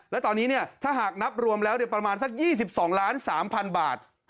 และตอนนี้ถ้าหากนับรวมแล้วประมาณสัก๒๒ล้าน๓๐๐๐บาท